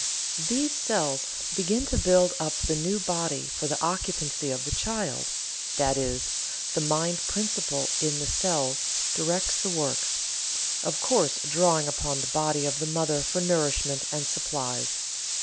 These cells begin to build up the new body for the occupancy of the child that is, the mind principle in the cells directs the work, of course drawing upon the body of the mother for nourishment and supplies.